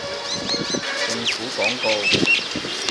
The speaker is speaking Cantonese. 政府廣告